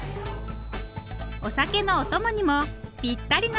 お酒のお供にもぴったりなんです。